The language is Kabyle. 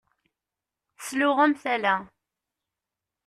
Tesluɣem tala.